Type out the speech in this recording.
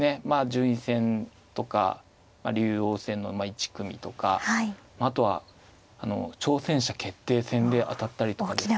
順位戦とか竜王戦の１組とかあとは挑戦者決定戦で当たったりとかですね。